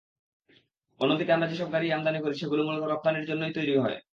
অন্যদিকে আমরা সেসব গাড়িই আমদানি করি, যেগুলো মূলত রপ্তানির জন্যই তৈরি হয়।